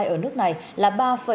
ở nước này là ba bốn